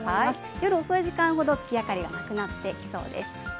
夜遅い時間ほど、月明かりがなくなっていきそうです。